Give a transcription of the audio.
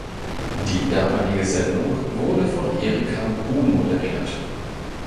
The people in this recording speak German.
Die damalige Sendung wurde von Erika Bruhn moderiert.